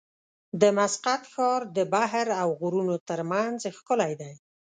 د مسقط ښار د بحر او غرونو ترمنځ ښکلی دی.